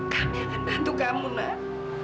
kami akan bantu kamu nak